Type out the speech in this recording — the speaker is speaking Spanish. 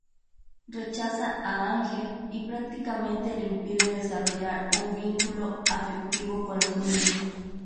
Rechaza a Ángel y prácticamente le impide desarrollar un vínculo afectivo con los niños.